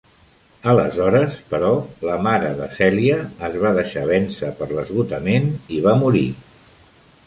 Aleshores, però, la mare de Cèlia es va deixar vèncer per l'esgotament i va morir.